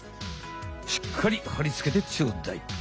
しっかりはりつけてちょうだい。